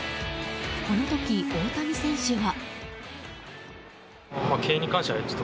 この時、大谷選手は。